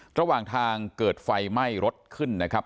ระหว่างทางเกิดไฟไหม้รถขึ้นนะครับ